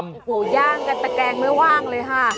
โอ้โหย่างกันตะแกงไม่ว่างเลยค่ะ